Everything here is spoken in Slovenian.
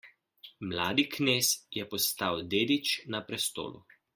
Mladi knez je postal dedič na prestolu.